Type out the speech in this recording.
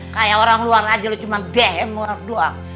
kayak orang luar aja lu cuman dm orang doang